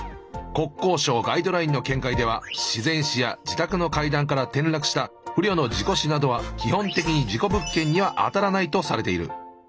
国交省ガイドラインの見解では自然死や自宅の階段から転落した不慮の事故死などは基本的に事故物件にはあたらないとされている。